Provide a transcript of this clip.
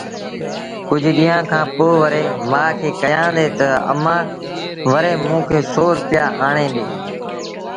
ڪجھ ڏيݩهآݩ کآݩ پو وري مآ کي ڪهيآݩدي تا امآݩ وري موݩ کي سو روپيآ آڻي ڏي